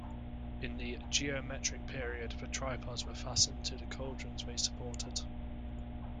In the Geometric period, the tripods were fastened to the cauldrons they supported.